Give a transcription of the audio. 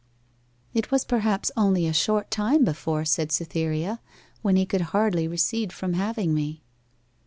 'It was perhaps only a short time before,' said Cytherea; 'when he could hardly recede from having me.